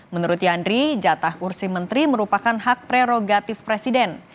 menurut yandri jatah kursi menteri merupakan hak prerogatif presiden